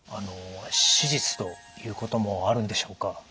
手術ということもあるんでしょうか？